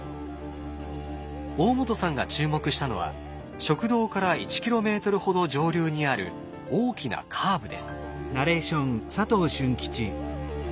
大本さんが注目したのは食堂から１ｋｍほど上流にある大きなカーブです。